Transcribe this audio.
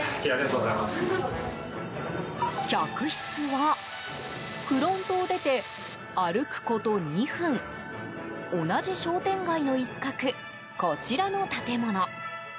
客室はフロントを出て歩くこと２分同じ商店街の一角こちらの建物。